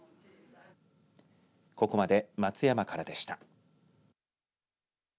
ここまで松山からでした。